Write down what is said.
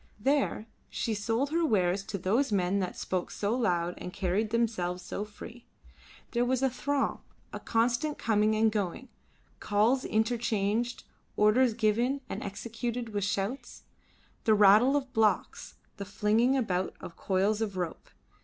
There she sold her wares to those men that spoke so loud and carried themselves so free. There was a throng, a constant coming and going; calls interchanged, orders given and executed with shouts; the rattle of blocks, the flinging about of coils of rope.